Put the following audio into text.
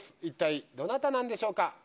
一体どなたなんでしょうか？